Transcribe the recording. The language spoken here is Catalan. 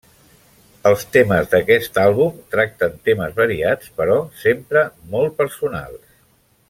Els temes d'aquest àlbum tracten temes variats, però sempre molt personals.